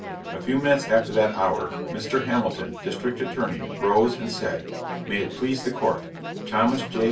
A few minutes after that hour, Mr. Hamilton, District Attorney, rose and said May it please the Court, Thomas J.